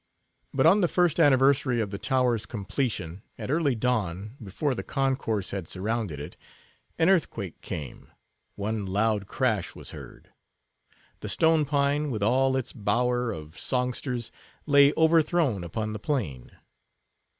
But on the first anniversary of the tower's completion—at early dawn, before the concourse had surrounded it—an earthquake came; one loud crash was heard. The stone pine, with all its bower of songsters, lay overthrown upon the plain.